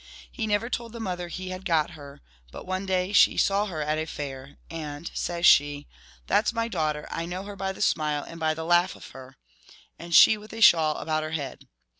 He never told the mother he had got her; but one day she saw her at a fair, and, says she, "That 's my daughter; I know her by the smile and by the laugh of her," and she with a shawl about her head.